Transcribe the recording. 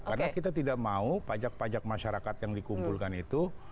karena kita tidak mau pajak pajak masyarakat yang dikumpulkan itu